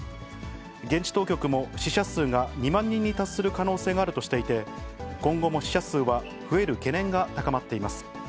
現地当局も、死者数が２万人に達する可能性があるとして、今後も死者数は増える懸念が高まっています。